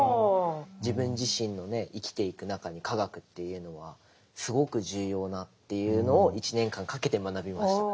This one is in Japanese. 自分自身のね生きていく中に化学というのはすごく重要なっていうのを１年間かけて学びました。